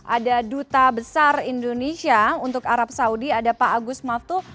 ada duta besar indonesia untuk arab saudi ada pak agus maftu